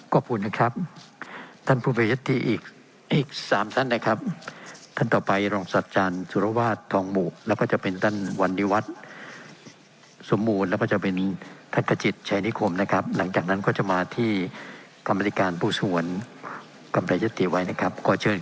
ขอขอบคุณครับ